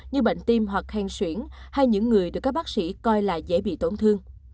như bệnh tim hoặc hèn xuyển hay những người được các bác sĩ coi là dễ bị tổn thương